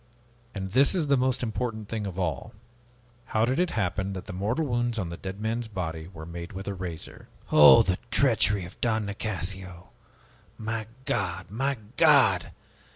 And this is the most important thing of all. How did it happen that the mortal wounds on the dead man's body were made with a razor?" "Oh, the treachery of Don Nicasio! My God! My God!